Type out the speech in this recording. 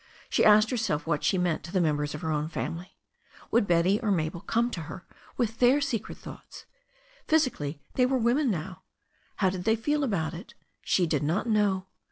She asked herself what she meant to the members of her own family. Would Betty or Mabel come to her with their secret thoughts? Physically they were women now. How did they feel about it? She did not know.